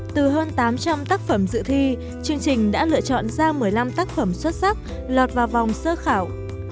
từ hơn tám trăm linh tác phẩm dự thi chương trình đã lựa chọn ra một mươi năm tác phẩm xuất sắc lọt vào vòng sơ khảo